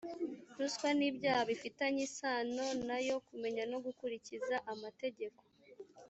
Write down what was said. ruswa n ibyaha bifitanye isano na yo kumenya no gukurikiza amategeko